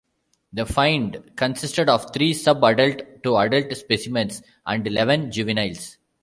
The find consisted of three sub-adult to adult specimens and eleven juveniles.